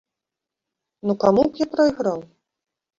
Ну, каму б я прайграў?